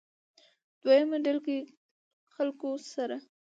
دويمه ډلګۍ خلکو سره